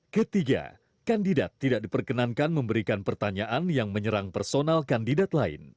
ketiga kandidat tidak diperkenankan memberikan pertanyaan yang menyerang personal kandidat lain